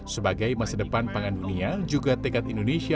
sebagai masa depan pangan dunia juga tekad indonesia